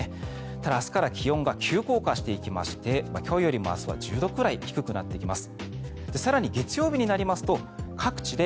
ただ、明日から気温が急降下していきまして今日よりも明日は１０度くらい低くなってきます。